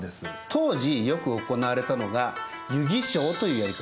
当時よく行われたのが湯起請というやり方でした。